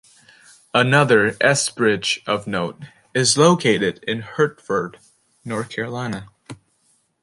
Another S bridge of note is located in Hertford, North Carolina.